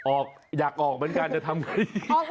ออกไปจากตรงนี้เอาไป